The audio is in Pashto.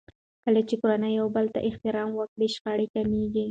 کله چې کورنۍ يو بل ته احترام وکړي، شخړې کمېږي.